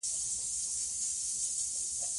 د افغانستان په منظره کې د بزګانو شتون ښکاره دی.